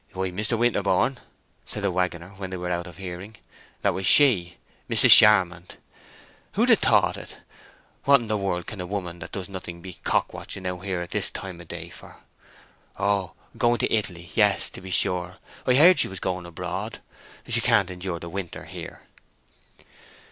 "Why, Mr. Winterborne," said the wagoner, when they were out of hearing, "that was She—Mrs. Charmond! Who'd ha' thought it? What in the world can a woman that does nothing be cock watching out here at this time o' day for? Oh, going to Italy—yes to be sure, I heard she was going abroad, she can't endure the winter here."